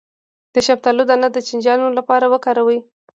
د شفتالو دانه د چینجیانو لپاره وکاروئ